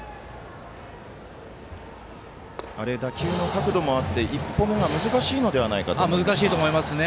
打球の角度もあって一歩目は難しいのではないかと思いますが。